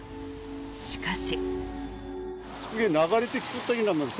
しかし。